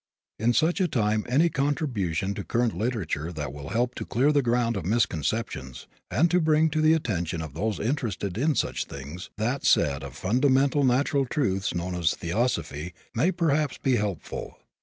In such a time any contribution to current literature that will help to clear the ground of misconceptions and to bring to the attention of those interested in such things, that set of fundamental natural truths known as theosophy, may perhaps be helpful.